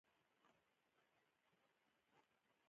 " ـ ما وې " امیر صېب تۀ د خپلې باچائۍ نه څۀ خبر ئې